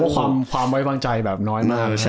ความไว้วางใจแบบน้อยมาก